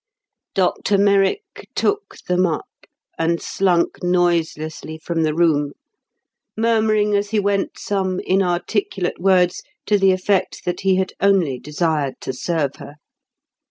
Dr Merrick took them up, and slank noiselessly from the room, murmuring as he went some inarticulate words to the effect that he had only desired to serve her.